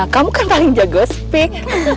kamu kan paling jago speak